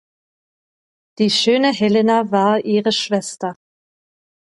Die schöne Helena war ihre Schwester.